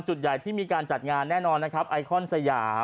จุดใหญ่ที่มีการจัดงานแน่นอนนะครับไอคอนสยาม